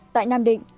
tại nam định